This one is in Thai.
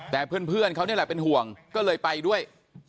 แต่เพื่อนเขานี่แหละเป็นห่วงก็เลยไปด้วย